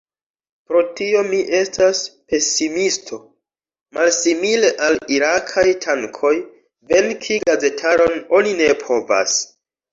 Pro tio mi estas pesimisto: malsimile al irakaj tankoj, venki gazetaron oni ne povas.